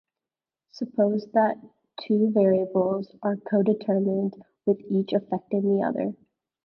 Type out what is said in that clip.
Suppose that two variables are codetermined, with each affecting the other.